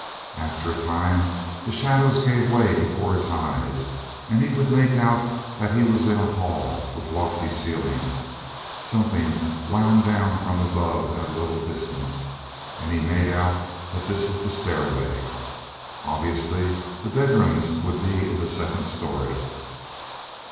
After a time the shadows gave way before his eyes, and he could make out that he was in a hall with lofty ceiling. Something wound down from above at a little distance, and he made out that this was the stairway. Obviously the bedrooms would be in the second story.